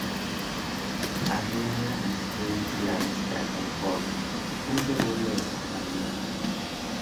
Arriola nació en Chula Vista, California, un suburbio de San Diego.